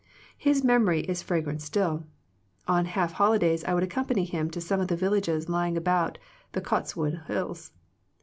His memory is fragrant still. On half holidays I would accompany him to some of the villages lying among the Cotswold Hills.